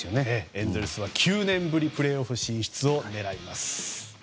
エンゼルスは９年ぶりのプレーオフ進出を狙います。